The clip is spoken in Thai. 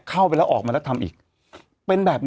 มันติดคุกออกไปออกมาได้สองเดือน